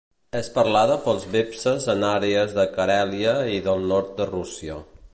És parlada pels vepses en àrees de Carèlia i del nord de Rússia.